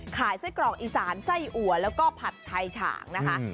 ขายไส้กรอกอีสานไส้อัวแล้วก็ผัดไทยฉางนะคะ